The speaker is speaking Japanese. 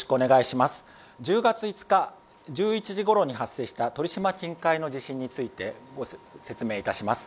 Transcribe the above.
１０月５日１１時ごろに発生した鳥島近海の地震について説明します。